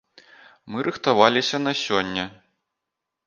Мы рыхтаваліся на сёння.